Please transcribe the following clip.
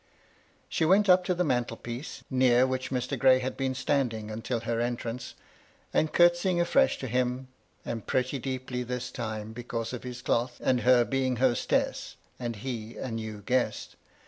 She went up to the mantelpiece, near which Mr. Gray had been standing until her entrance, and curt sying afresh to him, and pretty deeply this time, because of his cloth, and her being hostess, and he, a new guest.